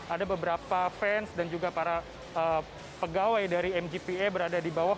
ada beberapa fans dan juga para pegawai dari mgpa berada di bawah